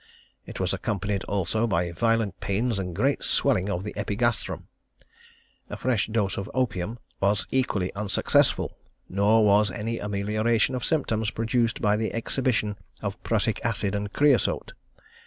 It was accompanied also by violent pains and great swelling of the epigastrium. A fresh dose of opium was equally unsuccessful, nor was any amelioration of symptoms produced by the exhibition of prussic acid and creosote.